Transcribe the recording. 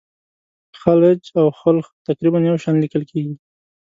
خلج او خُلُّخ تقریبا یو شان لیکل کیږي.